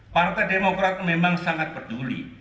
partai demokrat memang sangat peduli